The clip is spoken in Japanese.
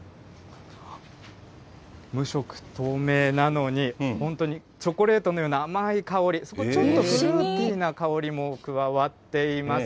無色透明なのに、本当にチョコレートのような甘い香り、そこちょっとフルーティーな香りも加わっています。